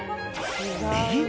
えっ？